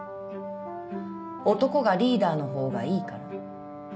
男がリーダーのほうがいいから？